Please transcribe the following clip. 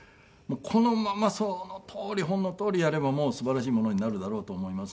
このままそのとおり本のとおりやればもう素晴らしいものになるだろうと思いますんで。